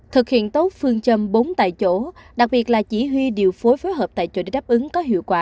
thực hiện tốt phương châm bốn tại chỗ đặc biệt là chỉ huy điều phối phối hợp tại chỗ để đáp ứng có hiệu quả